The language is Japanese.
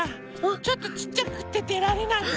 ちょっとちっちゃくってでられないの。